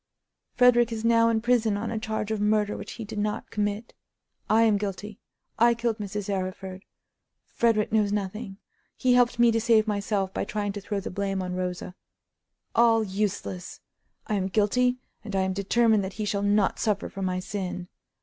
Frederick is now in prison on a charge of murder, which he did not commit. I am guilty. I killed Mrs. Arryford. Frederick knows nothing. He helped me to save myself by trying to throw the blame on Rosa. All useless. I am guilty, and I am determined that he shall not suffer for my sin.